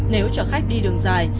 nếu cho khách đi đường dài